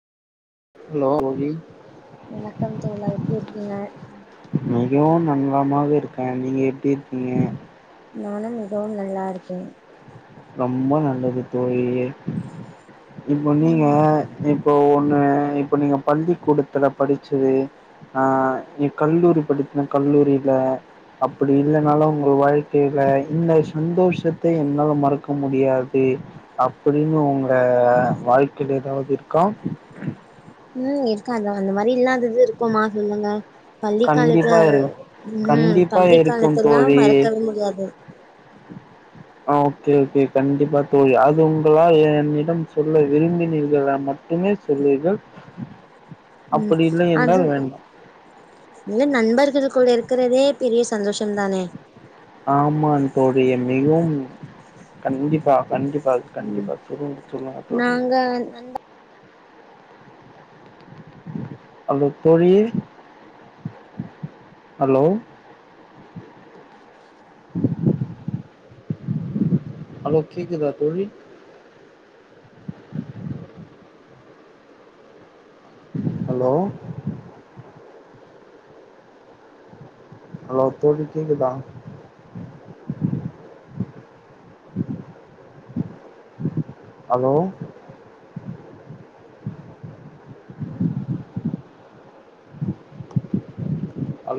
hello [unintelligible] வணக்கம் தோழா எப்டி இருக்கீங்க அய்யோ ந நலமாவே இருக்கே நீங்க எப்டி இருக்கீங்க நானு மிகவு நல்லா இருக்கே ரொம்ப நல்லது தோழி இப்போ நீங்க ம் இப் இப்போ ஒன்னு இப்போ நீங்க பள்ளிக்கூடத்தில படிச்சதுஆ நீ கல்லூரி படித்தின கல்லூரியில அப்படி இல்லைனாலு உங்கள் வாழ்க்கையில இந்த சந்தோஷத்த என்னால மறக் க்க முடியாது அப்படின்னு உங்க வாழ்க்கையில ஏதாவது இருக்கா உ இருக்கா அந்த அந்த மாரி இல்லாதது இருக்குமா சொல்லுங்க பள்ளிக்காலத்த கண்டிப்பா இரு ம் கண்டிப்பா இருக்கும் பள்ளிக்காலத்தலாம் தோழி மறக்கவே முடியாது ஆ ஓகே ஓகே கண்டிப்பா தோழி அது உங்களா என்னிடம் சொல்ல விரும்பினீர்களா மட்டுமே சொல்லுங்கள் ம் அப்டி இல்லை என்றால் வேண்டா இது நண்பர்கள் கூட இருக்கிறதே பெரிய சந்தோஷம் தானே ஆமா தோழி என் மிகவும் கண்டிப்பா கண்டிப் பு ம் கண்டிப்பா சுருந்து சொல்லுங்க தோழி நாங்க ஹலோ தோழி ஹலோ ஹலோ கேக்குதா தோழி ஹலோ ஹலோ தோழி கேக்குதா ஹலோ ஹலோ